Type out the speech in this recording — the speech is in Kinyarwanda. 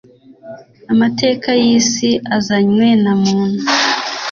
amateka y'isi azanywe na muntu